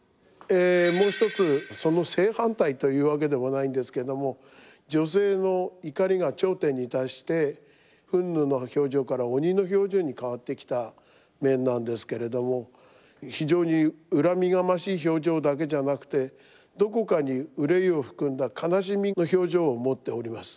もう一つその正反対というわけでもないんですけども女性の怒りが頂点に達して憤怒の表情から鬼の表情に変わってきた面なんですけれども非常に恨みがましい表情だけじゃなくてどこかに憂いを含んだ悲しみの表情を持っております。